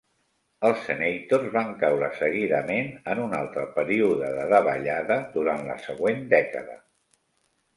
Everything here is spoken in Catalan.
Els Senators van caure seguidament en un altre període de davallada durant la següent dècada.